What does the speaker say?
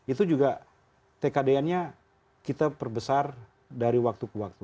itu juga tkdnnya kita perbesar dari waktu ke waktu